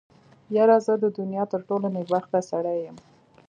يره زه د دونيا تر ټولو نېکبخته سړی يم.